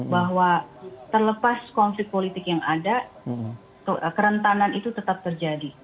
bahwa terlepas konflik politik yang ada kerentanan itu tetap terjadi